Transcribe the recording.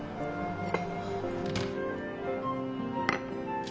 えっ？